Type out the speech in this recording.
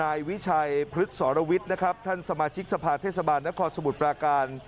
นายวิชัยพฤกษรวิทย์นะครับท่านสมาชิกสภาเทศบาลนครสมุทรปราการ